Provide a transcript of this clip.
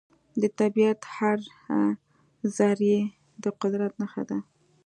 د طبیعت هره ذرې د قدرت نښه ده.